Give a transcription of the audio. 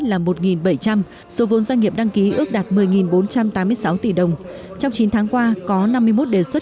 là một bảy trăm linh số vốn doanh nghiệp đăng ký ước đạt một mươi bốn trăm tám mươi sáu tỷ đồng trong chín tháng qua có năm mươi một đề xuất